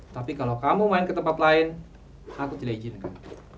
tapi kalau kamu main ke tempat lain aku tidak izinkan